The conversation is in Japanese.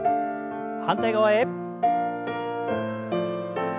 反対側へ。